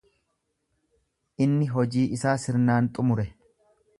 Inni hojii isaa sirnaan xumure.